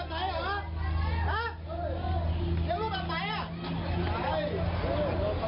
ไม่เห็นหน้าหัวก็